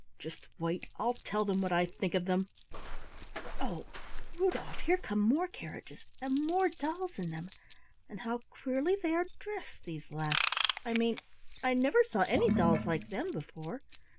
Just wait, I'll tell them what I think of them; but, oh, Rudolf, here come more carriages and more dolls in them, and how queerly they are dressed, these last, I mean! I never saw any dolls like them before.